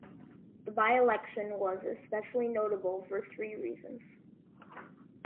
The by-election was especially notable for three reasons.